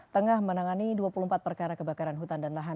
tengah menangani dua puluh empat perkara kebakaran hutan dan lahan